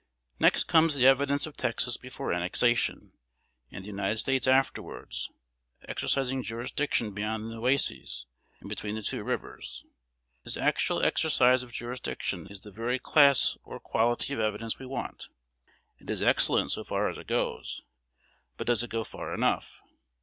Next comes the evidence of Texas before annexation, and the United States afterwards, exercising jurisdiction beyond the Nueces, and between the two rivers. This actual exercise of jurisdiction is the very class or quality of evidence we want. It is excellent so far as it goes; but does it go far enough?